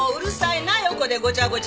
横でごちゃごちゃと。